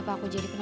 pokoknya udah bisa